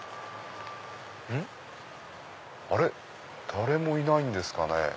誰もいないんですかね？